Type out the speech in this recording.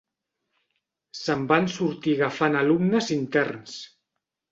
Se'n van sortir agafant alumnes interns.